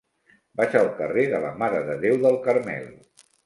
Vaig al carrer de la Mare de Déu del Carmel.